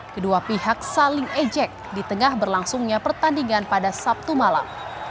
kedua pihak saling ejek di tengah berlangsungnya pertandingan pada sabtu malam